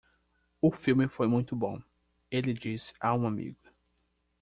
O filme foi muito bom, ele disse a um amigo.